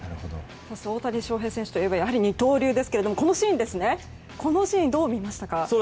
大谷翔平選手といえばやはり二刀流ですがこのシーンどう見ましたか？